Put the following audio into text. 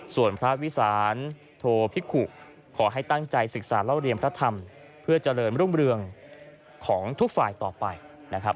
ส่วนพระวิสานโทพิขุขอให้ตั้งใจศึกษาเล่าเรียนพระธรรมเพื่อเจริญรุ่งเรืองของทุกฝ่ายต่อไปนะครับ